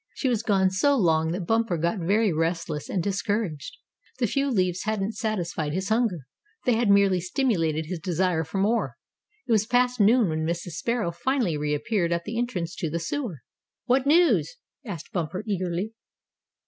She was gone so long that Bumper got very restless and discouraged. The few leaves hadn't satisfied his hunger; they had merely stimulated his desire for more. It was past noon when Mrs. Sparrow finally reappeared at the entrance to the sewer. "What news?" asked Bumper, eagerly.